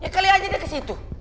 ya kali aja deh ke situ